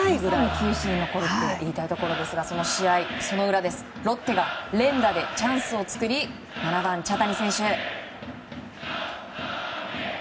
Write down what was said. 球史に残ると言いたいところですが、その裏ロッテが連打でチャンスを作り７番、茶谷選手。